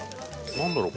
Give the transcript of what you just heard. なんだろう？